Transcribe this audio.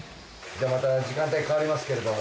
じゃまた時間帯変わりますけれども。